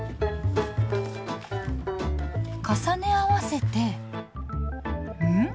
重ね合わせてん？